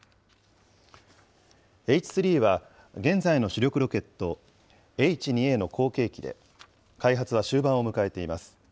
Ｈ３は現在の主力ロケット、Ｈ２Ａの後継機で、開発は終盤を迎えています。